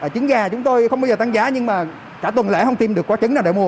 chứng gà chúng tôi không bao giờ tăng giá nhưng mà trả tuần lễ không tìm được quả chứng nào để mua